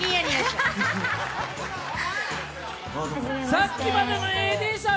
さっきまでのＡＤさん